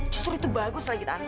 justru itu bagus lagi